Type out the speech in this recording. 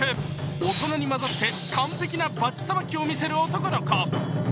大人に混ざって完璧なバチさばきを見せる男の子。